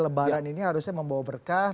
lebaran ini harusnya membawa berkah